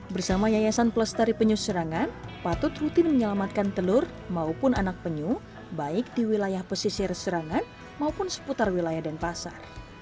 bersama yayasan pelestari penyu serangan patut rutin menyelamatkan telur maupun anak penyu baik di wilayah pesisir serangan maupun seputar wilayah denpasar